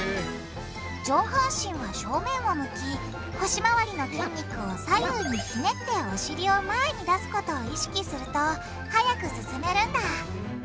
上半身は正面を向き腰回りの筋肉を左右にひねってお尻を前に出すことを意識すると速く進めるんだ。